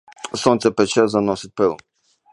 Сонце пече, заносить пилом.